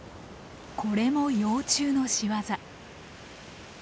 これも幼虫の仕業。